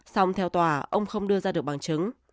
xong theo tòa ông không đưa ra được bằng chứng